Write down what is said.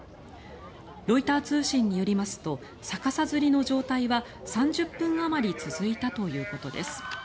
ロイター通信によりますと逆さづりの状態は３０分あまり続いたということです。